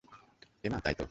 এমা তাই তো!